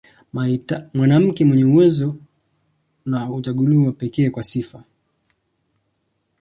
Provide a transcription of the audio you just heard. Mwanamke mwenye uwezo na huchaguliwa pekee kwa sifa